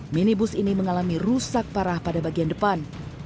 minibus ini mengalami rusak parah pada bagian depan